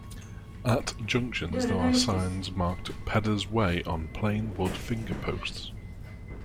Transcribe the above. At junctions there are signs marked 'Peddars Way' on plain wood fingerposts.